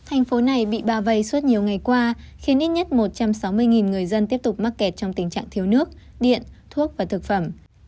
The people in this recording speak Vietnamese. thành phố này bị bao vây suốt nhiều ngày qua khiến ít nhất một trăm sáu mươi người dân tiếp tục mắc kẹt trong tình trạng thiếu nước điện thuốc và thực phẩm